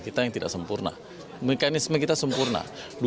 kita yang tidak sempurna mekanisme kita sempurna